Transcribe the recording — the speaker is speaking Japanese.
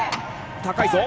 高いぞ。